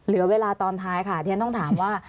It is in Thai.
แต่เวลาตอนท้ายค่ะทีนั้นต้องถามว่า